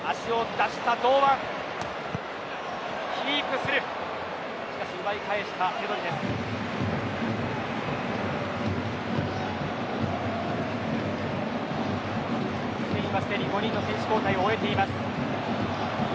スペインは、すでに５人の選手交代を終えています。